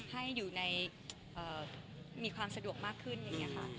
ให้อยู่ในมีความสะดวกมากขึ้นอย่างนี้ค่ะ